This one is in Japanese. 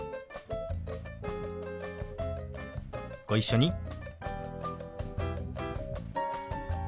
ご一緒に。